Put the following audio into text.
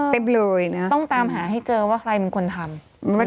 เต็มเลยนะต้องตามหาให้เจอว่าใครมันควรทำ